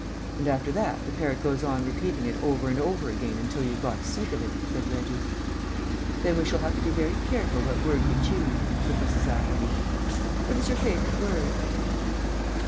"And after that the parrot goes on repeating it over and over again until you've got sick of it," said Reggie. "Then we shall have to be very careful what word we choose," said Mrs. Atherley. "What is your favourite word?"